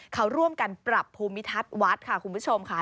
เขาร่วมกันปรับภูมิทัศน์วัดค่ะคุณผู้ชมค่ะ